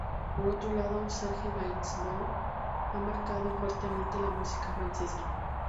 Por otro lado, Serge Gainsbourg ha marcado fuertemente la música francesa.